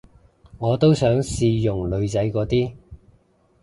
我都想試用女仔嗰啲